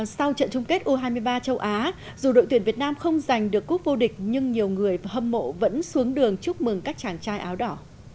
sau trận chung kết u hai mươi ba châu á dù đội tuyển việt nam không giành được quốc vô địch nhưng nhiều người và hâm mộ vẫn xuống đường chúc mừng các chàng trai áo đỏ